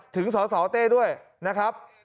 ถึงสอสอะเต้ด้วยนะครับ